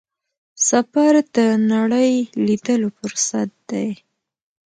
سفر د نړۍ لیدلو فرصت دی.